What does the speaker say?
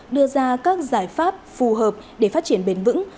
đưa ra các giải pháp phù hợp để phát triển bền vững